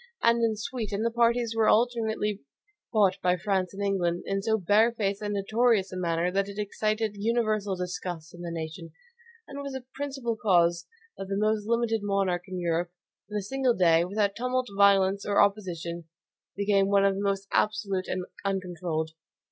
And in Sweden the parties were alternately bought by France and England in so barefaced and notorious a manner that it excited universal disgust in the nation, and was a principal cause that the most limited monarch in Europe, in a single day, without tumult, violence, or opposition, became one of the most absolute and uncontrolled.